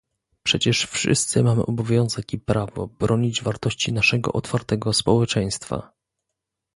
Przecież wszyscy mamy obowiązek i prawo bronić wartości naszego otwartego społeczeństwa